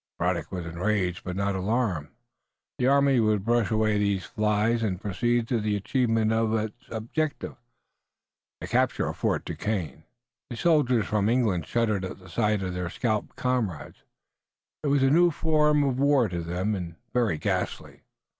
Braddock was enraged but not alarmed. The army would brush away these flies and proceed to the achievement of its object, the capture of Fort Duquesne. The soldiers from England shuddered at the sight of their scalped comrades. It was a new form of war to them, and very ghastly.